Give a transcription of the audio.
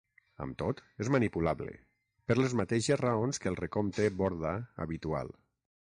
Amb tot, és manipulable, per les mateixes raons que el recompte Borda habitual.